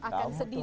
akan sedih juga